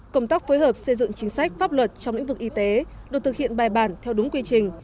công tác phối hợp xây dựng chính sách pháp luật trong lĩnh vực y tế được thực hiện bài bản theo đúng quy trình